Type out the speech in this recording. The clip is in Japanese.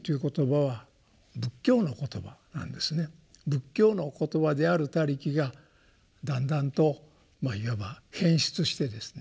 仏教の言葉である「他力」がだんだんとまあいわば変質してですね